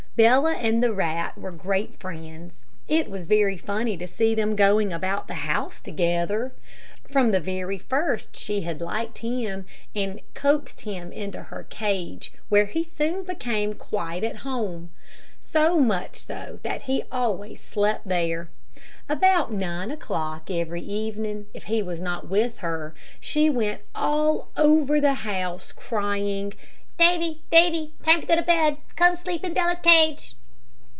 Bella and the rat were great friends. It was very funny to see them going about the house together. From the very first she had liked him, and coaxed him into her cage, where he soon became quite at home, so much so that he always slept there. About nine o'clock every evening, if he was not with her, she went all over the house, crying: "Davy! Davy! time to go to bed. Come sleep in Bella's cage."